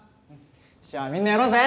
しゃっみんなやろうぜ